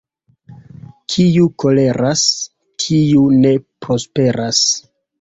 Kiu koleras, tiu ne prosperas.